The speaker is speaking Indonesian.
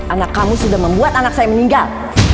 anak kamu sudah membuat anak saya meninggal